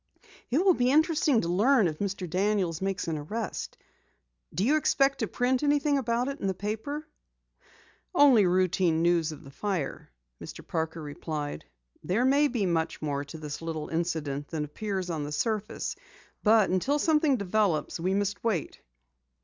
"It will be interesting to learn if Mr. Daniels makes an arrest. Do you expect to print anything about it in the paper?" "Only routine news of the fire," Mr. Parker replied. "There may be much more to this little incident than appears on the surface, but until something develops, we must wait."